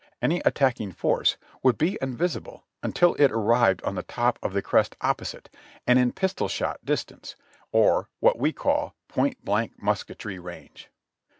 Any attacking force would be invisible until it arrived on the top of the crest opposite, and in pistol shot distance, or what we call point blank musketry range.